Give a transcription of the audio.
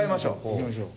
行きましょう。